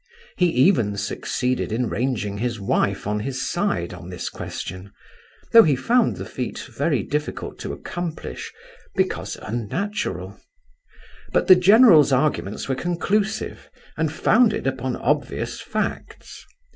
He even succeeded in ranging his wife on his side on this question, though he found the feat very difficult to accomplish, because unnatural; but the general's arguments were conclusive, and founded upon obvious facts.